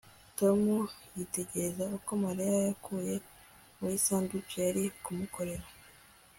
tom yitegereza uko mariya yakuye muri sandwich yari kumukorera